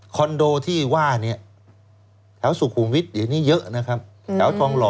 คอนโดที่ว่าแถวสุขุมวิทย์อยู่นี้เยอะนะครับแถวทองหล่อ